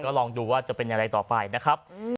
ลองดูว่าจะเป็นอะไรต่อไปนะครับ